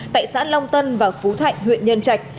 tại xã long tân và phú thạnh huyện nhân trạch